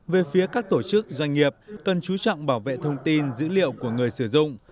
về phía các tổ chức doanh nghiệp cần chú trọng bảo vệ thông tin dữ liệu của người sử dụng